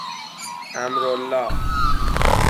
امرالله